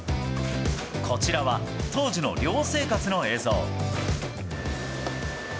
こちらは当時の寮生活の映像。